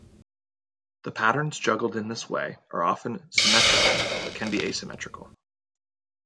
The patterns juggled in this way are often symmetrical but can be asymmetrical.